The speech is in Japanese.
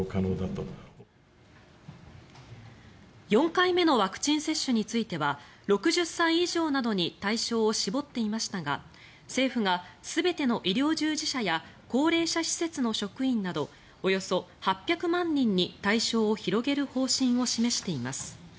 ４回目のワクチン接種については６０歳以上などに対象を絞っていましたが政府が全ての医療従事者や高齢者施設の職員などおよそ８００万人に対象を広げる方針を示しています。